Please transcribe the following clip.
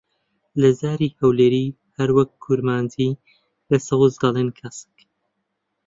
لە زاری هەولێری، هەروەک کورمانجی، بە سەوز دەڵێن کەسک.